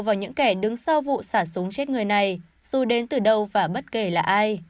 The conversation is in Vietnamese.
vào những kẻ đứng sau vụ xả súng chết người này dù đến từ đâu và bất kể là ai